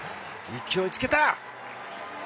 勢いをつけた！